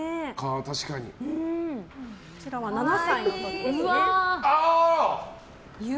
こちらは７歳の時です。